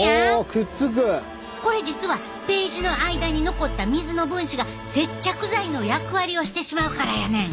これ実はページの間に残った水の分子が接着剤の役割をしてしまうからやねん。